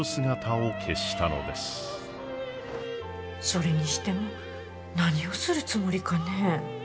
それにしても何をするつもりかね？